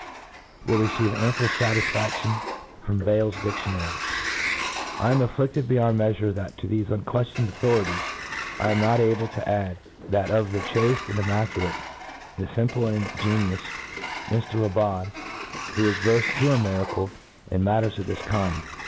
ed, will receive ample fatisfaftion from Bayle's dic tionary, I am afflidled beyond meafure, that to thefe unqueftioned authorities, I am not able to add that of the chafte and immaculate, the fimplc and ingenuous Mr Raubaud, who is verfed to a . miracle in matters of this k ind.